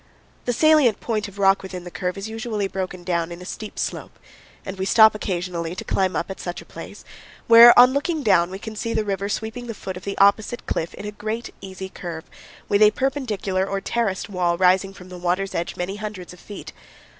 The salient point of rock within the curve is usually broken down in a steep slope, and we stop occasionally to climb up at such a place, where on looking down we can see the river sweeping the foot of the opposite cliff in a great, easy curve, with a perpendicular or terraced wall rising from the water's edge many hundreds of feet.